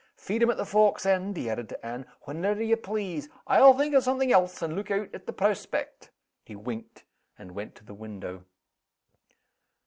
Feed him at the fork's end," he added to Anne, "whenever ye please! I'll think of something else, and look out at the proaspect." He winked and went to the window.